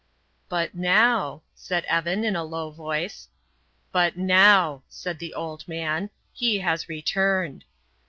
"But now " said Evan, in a low voice. "But now!" said the old man; "he has returned."